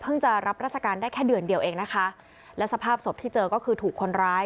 จะรับราชการได้แค่เดือนเดียวเองนะคะและสภาพศพที่เจอก็คือถูกคนร้าย